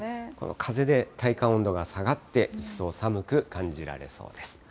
風で体感温度が下がって、一層寒く感じられそうです。